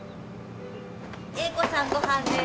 エイ子さんごはんです。